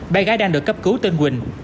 bà gái đang được cấp cứu tên quỳnh